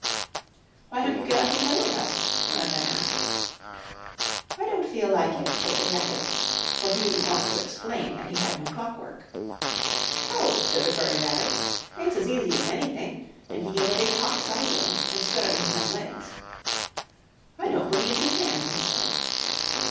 "Why don't you get up and play with us?" one of them asked. "I don't feel like it," said the Rabbit, for he didn't want to explain that he had no clockwork. "Ho!" said the furry rabbit. "It's as easy as anything," And he gave a big hop sideways and stood on his hind legs. "I don't believe you can!" he said.